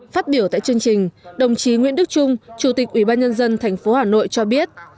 phát biểu tại chương trình đồng chí nguyễn đức trung chủ tịch ubnd tp hà nội cho biết